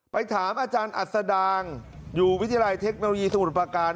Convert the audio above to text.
ถามอาจารย์อัศดางอยู่วิทยาลัยเทคโนโลยีสมุทรประการ